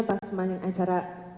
pas main acara